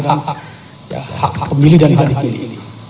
hak hak pemilih dan hadik milik